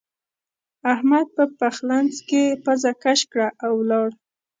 احمد په پخلنځ کې پزه کش کړه او ولاړ.